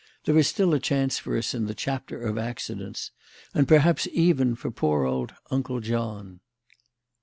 There is still a chance for us in the Chapter of Accidents and perhaps even for poor old Uncle John."